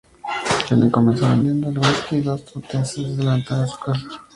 Helen comenzó vendiendo el whisky a los transeúntes desde la ventana de su casa.